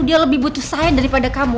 dia lebih butuh saya daripada kamu